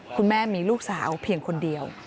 คุณแม่มีลูกสาวเพียงคนเดียว